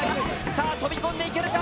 さあ飛び込んでいけるか！？